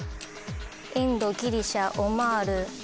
インドギリシャオマール。